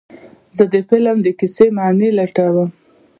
زه د فلم د کیسې معنی لټوم.